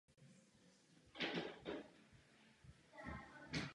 Devětsil lékařský je stará léčivá rostlina.